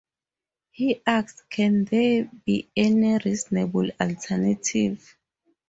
He asked Can there be any reasonable 'alternative'?